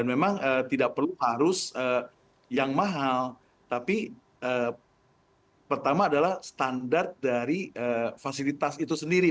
dan memang tidak perlu arus yang mahal tapi pertama adalah standar dari fasilitas itu sendiri